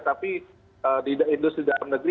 tapi di industri dalam negeri